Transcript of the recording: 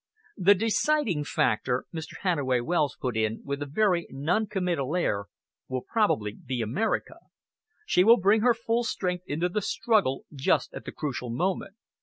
"The deciding factor," Mr. Hannaway Wells put in, with a very non committal air, "will probably be America. She will bring her full strength into the struggle just at the crucial moment.